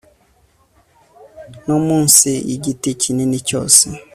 no munsi y igiti kinini cyose